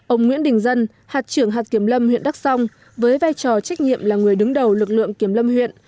ông nguyễn đình dân hạt trưởng hạt kiểm lâm huyện đắk song với vai trò trách nhiệm là người đứng đầu lực lượng kiểm lâm huyện